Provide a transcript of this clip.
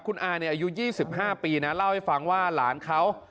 คุณอาอายุ๒๕ปีนะเล่าให้ฟังว่าหลานเขา